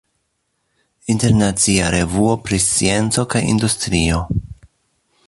Internacia revuo pri scienco kaj industrio.